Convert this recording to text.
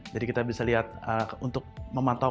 jadi kita bisa lihat untuk memantau